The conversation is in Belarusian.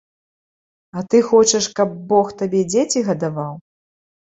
А ты хочаш, каб бог табе дзеці гадаваў?